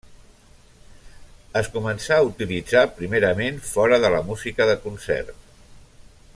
Es començà a utilitzar primerament fora de la música de concert.